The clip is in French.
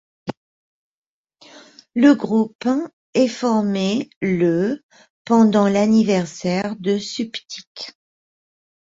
Le groupe est formé le pendant l anniversaire de Suptic.